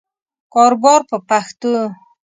کاروبار په پښتو.